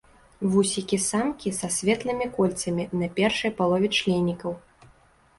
Вусікі самкі са светлымі кольцамі на першай палове членікаў.